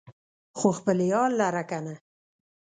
خو خپل يار لره کنه